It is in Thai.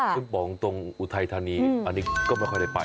ฟุตบอลตรงอุทัยธานีอันนี้ก็ไม่ค่อยได้ไป